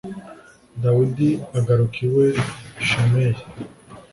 Dawidi agaruka iwe Shimeyi